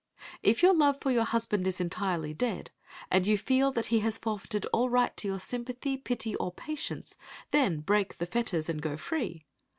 If your love for your husband is entirely dead, and you feel that he has forfeited all right to your sympathy, pity, or patience, then break the fetters and go free.